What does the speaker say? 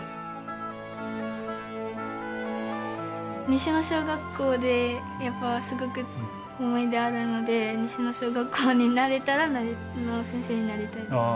西野小学校でやっぱすごく思い出あるので西野小学校になれたらの先生になりたいです。